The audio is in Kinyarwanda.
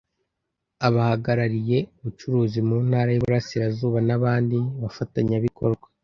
abahagarariye abacuruzi mu Ntara y’iburasirazuba n’abandi bafatanyabikorwa